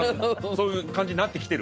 そういう感じになってきてる？